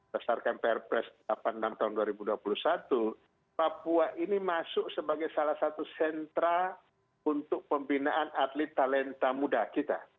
dasarkan pr pres delapan puluh enam tahun dua ribu dua puluh satu papua ini masuk sebagai salah satu sentra untuk pembinaan atlet talenta muda kita